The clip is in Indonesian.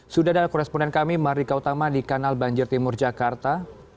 sudah ada koresponden kami mardika utama di kanal banjir timur jakarta